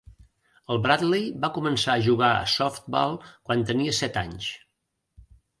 El Bradley va començar a jugar a softball quan tenia set anys.